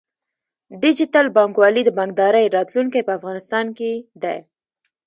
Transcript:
ډیجیټل بانکوالي د بانکدارۍ راتلونکی په افغانستان کې دی۔